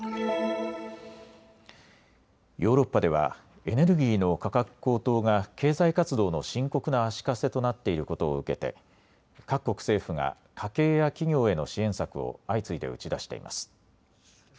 ヨーロッパではエネルギーの価格高騰が経済活動の深刻な足かせとなっていることを受けて各国政府が家計や企業への支援策を相次いで打ち出しています。